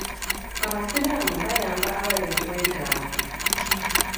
Abasiraamu bayamba abali mu bwetaavu.